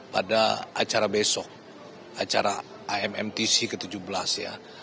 pada acara besok acara ammtc ke tujuh belas ya